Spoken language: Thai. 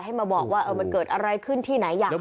ให้มาบอกว่ามันเกิดอะไรขึ้นที่ไหนอย่างไร